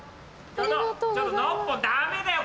ちょっとノッポンダメだよ